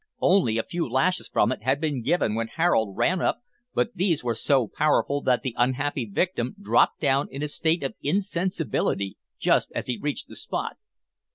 Only a few lashes from it had been given when Harold ran up, but these were so powerful that the unhappy victim dropped down in a state of insensibility just as he reached the spot.